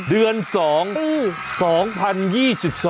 เดือน๒ปี